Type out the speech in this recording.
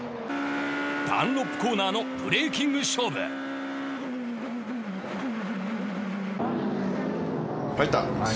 ダンロップコーナーのブレーキング勝負入った！